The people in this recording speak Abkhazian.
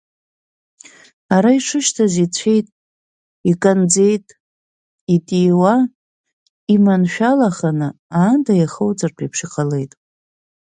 Ара ишышьҭаз ицәеит, иканӡеит, итиуа, иманшәалаханы, аанда иахоуҵартә еиԥш иҟалеит.